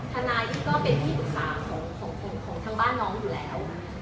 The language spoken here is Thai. ทนายนี่ก็เป็นที่ปรึกษาของทางบ้านน้องอยู่แล้ว